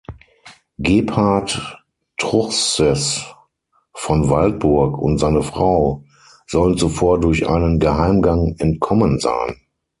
Gebhard Truchsess von Waldburg und seine Frau sollen zuvor durch einen Geheimgang entkommen sein.